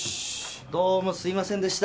どうもすいませんでした。